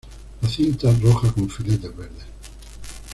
La cinta, roja con filetes verdes.